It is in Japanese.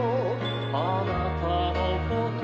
「あなたのことを」